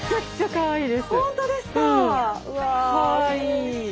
かわいい。